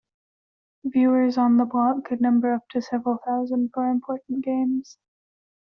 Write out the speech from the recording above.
Viewers on the block could number up to several thousand for important games.